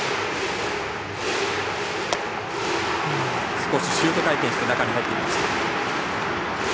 少しシュート回転して中に入ってきました。